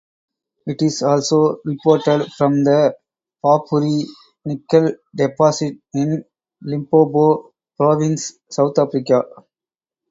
It is also reported from the Pafuri nickel deposit in Limpopo Province, South Africa.